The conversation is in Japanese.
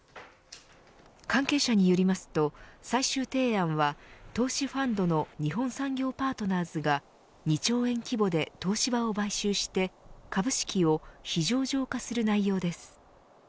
関係者によりますと最終提案は投資ファンドの日本産業パートナーズが２兆円規模で東芝を買収して株式を非上場化する内容です。